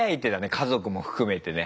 家族も含めてね。